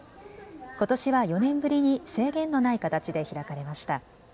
ことしは４年ぶりに制限のない形で開かれました。